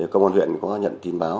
công an huyện có nhận tin báo